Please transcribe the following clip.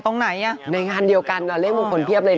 ตรงไหนอ่ะในงานเดียวกันกับเลขมงคลเพียบเลย